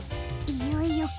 いよいよか。